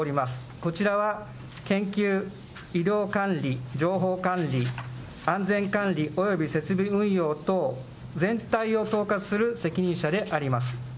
こちらは研究、移動管理、情報管理、安全管理および設備運用等、全体を統括する責任者であります。